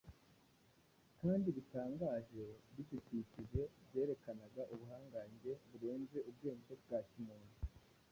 kandi bitangaje bidukikije byerekanaga ubuhanga burenze ubwenge bwa kimuntu.